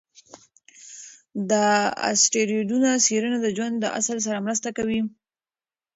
د اسټروېډونو څېړنه د ژوند د اصل سره مرسته کوي.